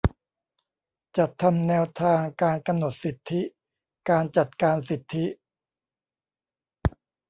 จัดทำแนวทางการกำหนดสิทธิ การจัดการสิทธิ